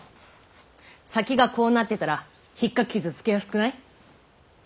先がこうなってたらひっかき傷つけやすくない？